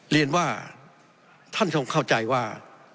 เรียนว่าท่านทรงเข้าใจว่า